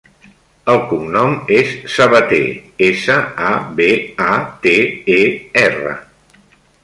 El cognom és Sabater: essa, a, be, a, te, e, erra.